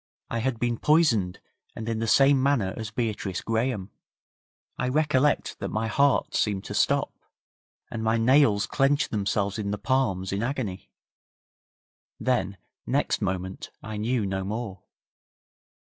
I had been poisoned and in the same manner as Beatrice Graham! I recollect that my heart seemed to stop, and my nails clenched themselves in the palms in agony. Then next moment I knew no more.